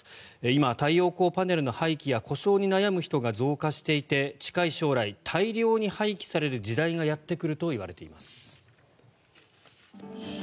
今、太陽光パネルの廃棄や故障に悩む人が増加していて近い将来大量に廃棄される時代がやってくるといわれています。